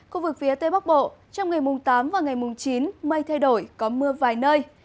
khu vực phía tây bắc bộ trong ngày mùng tám và ngày mùng chín mây thay đổi có mưa vài nơi